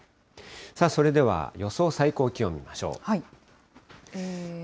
それでは予想最高気温見ましょう。